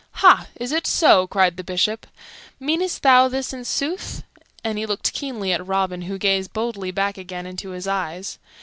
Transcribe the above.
"Ha! is it so?" cried the Bishop. "Meanest thou this in sooth?" And he looked keenly at Robin, who gazed boldly back again into his eyes.